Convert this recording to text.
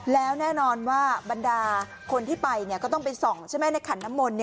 แล้วแน่นอนว่าบรรดาคนที่ไปก็ต้องไปส่องใช่ไหมในขันน้ำมนต์